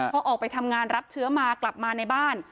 พอออกไปทำงานรับเชื้อมากลับมาในบ้าน